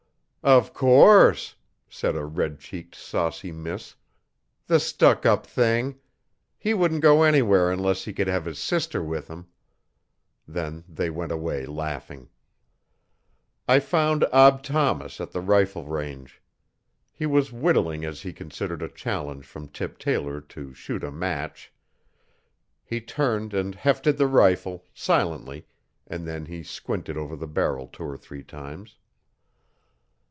'Of course!' said a red cheeked saucy miss. 'The stuck up thing! He wouldn't go anywhere unless he could have his sister with him.' Then they went away laughing. I found Ab Thomas at the rifle range. He was whittling as he considered a challenge from Tip Taylor to shoot a match. He turned and 'hefted' the rifle, silently, and then he squinted over the barrel two or three times.